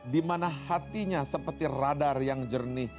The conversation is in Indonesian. dimana hatinya seperti radar yang jernih